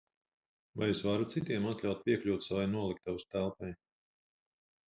Vai es varu citiem atļaut piekļūt savai noliktavas telpai?